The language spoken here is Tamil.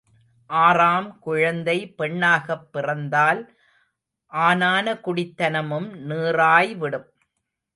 ஆறாம் குழந்தை பெண்ணாகப் பிறந்தால் ஆனான குடித்தனமும் நீறாய் விடும்.